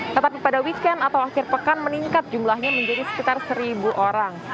tetapi pada weekend atau akhir pekan meningkat jumlahnya menjadi sekitar seribu orang